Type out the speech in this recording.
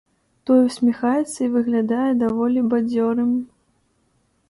Той усміхаецца і выглядае даволі бадзёрым.